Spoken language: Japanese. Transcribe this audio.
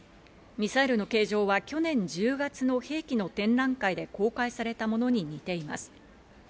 ミサイルの形状は去年１０月の兵器の展覧会で公開されたものに似ています。